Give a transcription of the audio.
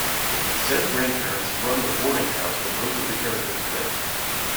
Said grandparents run the boarding house where most of the characters live.